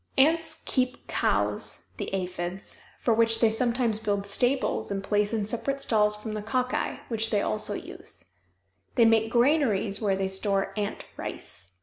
Ants keep cows the aphides for which they sometimes build stables and place in separate stalls from the cocci, which they also use. They make granaries where they store ant rice.